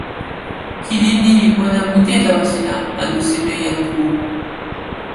kili ni li pona mute tawa sina, anu seme, jan Tu o?